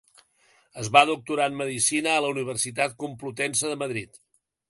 Es va doctorar en Medicina en la Universitat Complutense de Madrid.